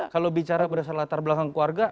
kalau bicara berdasarkan latar belakang keluarga